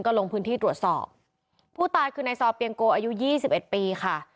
ลงพื้นที่ตรวจสอบผู้ตายคือในซอเปียงโกอายุยี่สิบเอ็ดปีค่ะ